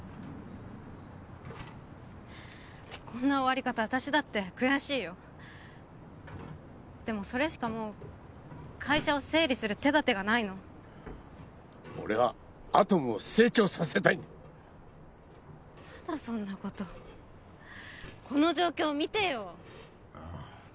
こんな終わり方私だって悔しいよでもそれしかもう会社を整理する手だてがないの俺はアトムを成長させたいんだまだそんなことこの状況見てよああ